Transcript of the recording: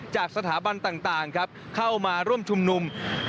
จากสถาบันต่างครับเข้ามาร่วมชุมนุม